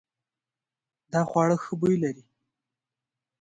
دا خوړو ښه بوی لري.